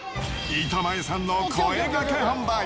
板前さんの声がけ販売。